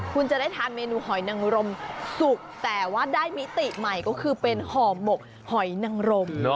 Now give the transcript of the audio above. คุณจะได้ทานเมนูหอยนังรมสุกแต่ว่าได้มิติใหม่ก็คือเป็นห่อหมกหอยนังรม